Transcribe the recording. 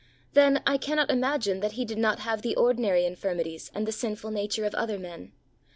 Then, I cannot imagine that he did not have the ordinary infirmities and the sinful nature of other men.